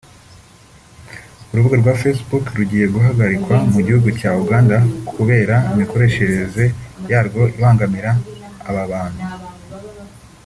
urubuga rwa facebook rugiye guhagarikwa mu gihugu cya Uganda kubera imikoreshereze yarwo ibangamira aba bantu